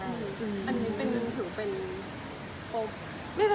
อันนี้ปรึกยุ่งถึงเป็น